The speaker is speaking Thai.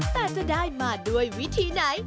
แต่จะได้มาด้วยวิธีไหน